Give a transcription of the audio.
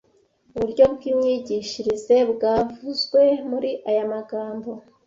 Uburyo bw’imyigishirize bwavuzwe muri aya magambo